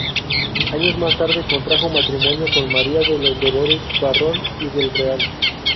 Años más tarde contrajo matrimonio con María de los Dolores Barrón y del Real.